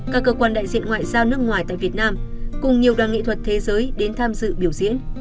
các cơ quan đại diện ngoại giao nước ngoài tại việt nam cùng nhiều đoàn nghệ thuật thế giới đến tham dự biểu diễn